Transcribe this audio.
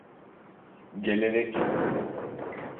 Gelenek…